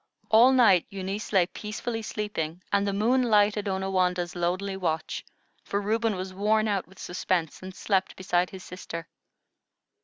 All night Eunice lay peacefully sleeping, and the moon lighted Onawandah's lonely watch, for Reuben was worn out with suspense, and slept beside his sister.